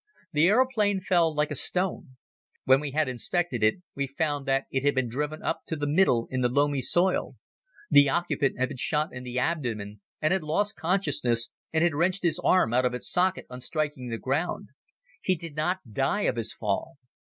The aeroplane fell like a stone. When we inspected it we found that it had been driven up to the middle into the loamy soil. The occupant had been shot in the abdomen and had lost consciousness and had wrenched his arm out of its socket on striking the ground. He did not die of his fall.